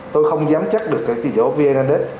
tôi không dám chắc được cái kỳ vô vnad